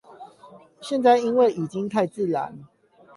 現在因為已經太自然